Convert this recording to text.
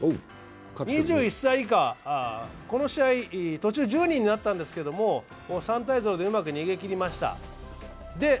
２１歳以下、この試合、途中１０人になったんですけど３−０でうまく逃げきりました。